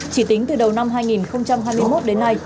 chỉ tính từ đầu năm hai nghìn hai mươi một đến nay